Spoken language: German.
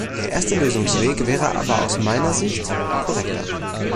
Der erste Lösungsweg wäre aber aus meiner Sicht korrekter.